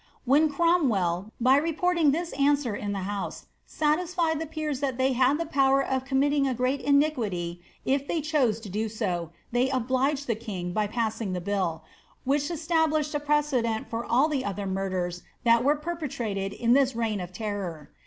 When Cromwell, by reporting I answer in the house, satisfied the peers that they had the power committing a great iniquity if they chose to do so, they obliged the k by passing the bill, which established a precedent for all the other no ders that were perpetrated in this reign of terror.